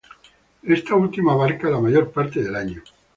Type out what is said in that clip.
Esta última abarca la mayor parte del año.